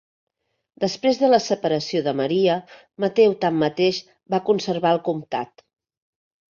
Després de la separació de Maria, Mateu tanmateix va conservar el comtat.